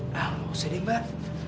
nah nggak usah deh mbak